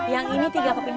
yang ini tiga keping perak